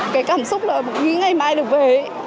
cái cảm xúc là nghĩ ngày mai được về